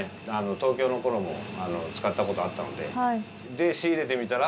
東京の頃も使ったことあったので。